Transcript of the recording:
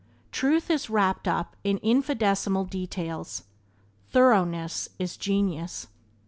Truth is wrapped up in infinitesimal details. Thoroughness is genius.